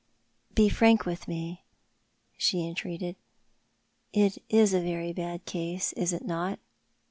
" Be frank with me," she entreated. " It is a very bad case, is it not